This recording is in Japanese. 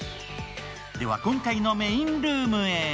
では、今回のメーンルームへ。